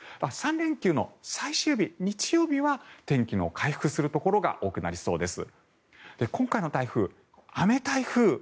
３連休の最終日、日曜日は天気の回復するところが多くなりそうです。